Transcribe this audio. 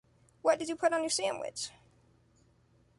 What did you put on your sandwich?